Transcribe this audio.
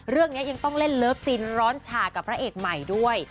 เรื่องนี้ยังต้องเล่นเลิฟซินร้อนฉากับพระเอกใหม่ด้วย